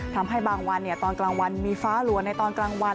ทำให้บางวันตอนกลางวันมีฟ้าหลัวในตอนกลางวัน